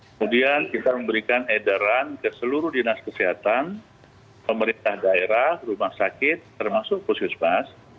kemudian kita memberikan edaran ke seluruh dinas kesehatan pemerintah daerah rumah sakit termasuk puskesmas